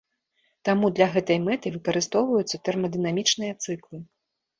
Таму для гэтай мэты выкарыстоўваюцца тэрмадынамічныя цыклы.